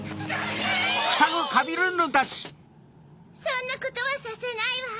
そんなことはさせないわ！